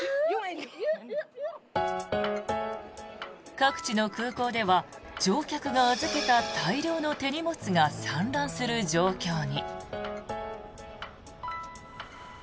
各地の空港では乗客が預けた大量の手荷物が散乱する状況に。